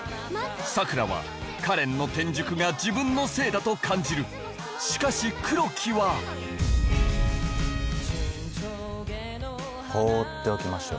佐倉は花恋の転塾が自分のせいだと感じるしかし黒木は放っておきましょう。